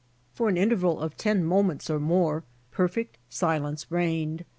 For an interval of ten moments or more perfect silence reigned.